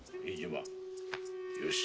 よし。